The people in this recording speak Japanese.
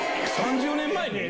３０年前に？